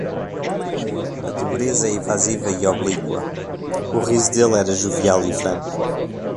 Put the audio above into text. A dobrez é evasiva e oblíqua; o riso dele era jovial e franco.